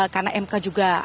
karena mk juga artis